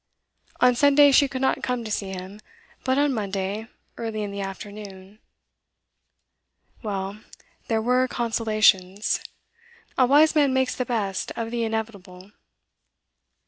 On Sunday she could not come to see him; but on Monday, early in the afternoon Well, there were consolations. A wise man makes the best of the inevitable.